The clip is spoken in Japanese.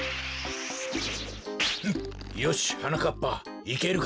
よしはなかっぱいけるか？